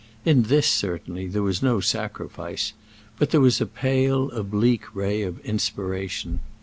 In this, certainly, there was no sacrifice; but there was a pale, oblique ray of inspiration.